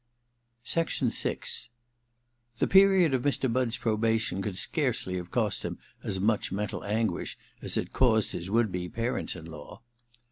VI The period of Mr. Budd's probation could scarcely have cost him as much mental anguish as it caused his would be parents in law.